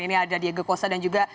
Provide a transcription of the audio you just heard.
ini ada diego kosa dan juga